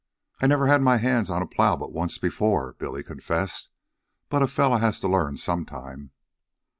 "I'd never had my hands on a plow but once before," Billy confessed. "But a fellow has to learn some time."